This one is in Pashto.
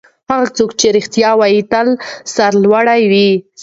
هغه څوک چې رښتیا وايي تل سرلوړی وي.